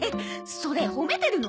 それ褒めてるの？